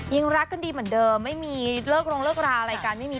ยังรักกันดีเหมือนเดิมไม่มีเลิกลงเลิกราอะไรกันไม่มี